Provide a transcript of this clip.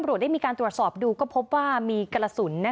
ผมไม่เคยไปเข้าผมโทร